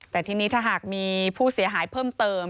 แต่ทีนี้ถ้าหากมีผู้เสียหายเพิ่มเติม